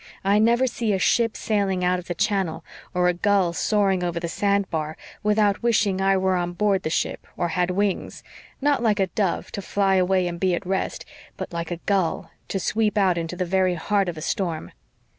I never see a ship sailing out of the channel, or a gull soaring over the sand bar, without wishing I were on board the ship or had wings, not like a dove 'to fly away and be at rest,' but like a gull, to sweep out into the very heart of a storm."